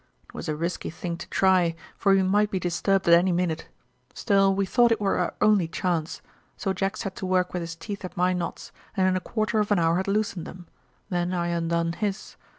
"It was a risky thing to try, for we might be disturbed at any minute. Still we thought it were our only chance, so Jack set to work with his teeth at my knots and in a quarter of an hour had loosened them; then I undone his.